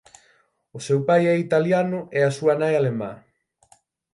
O seu pai é italiano e a súa nai alemá.